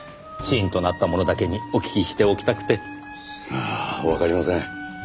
死因となったものだけにお聞きしておきたくて。さあわかりません。